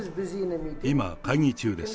今、会議中です。